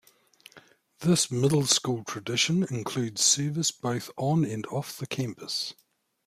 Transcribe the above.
This Middle School tradition includes service both on and off the campus.